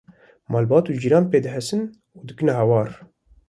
malbat û cîran pê dihesin û dikine hewar